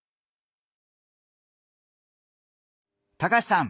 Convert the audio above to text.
高橋さん。